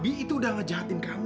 bi itu udah ngejahatin kamu